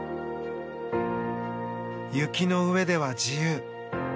雪の上では自由。